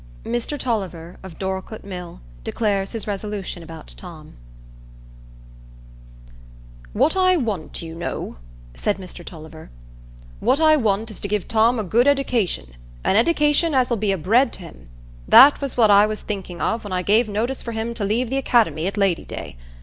Mr Tulliver, of Dorlcote Mill, Declares His Resolution about Tom "What I want, you know," said Mr Tulliver,—"what I want is to give Tom a good eddication; an eddication as'll be a bread to him. That was what I was thinking of when I gave notice for him to leave the academy at Lady day.